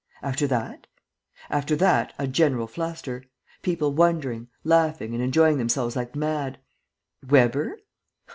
"After that?" "After that, a general fluster. People wondering, laughing and enjoying themselves like mad." "Weber?"